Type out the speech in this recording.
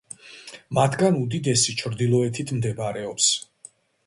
მათგან უდიდესი ჩრდილოეთით მდებარეობს.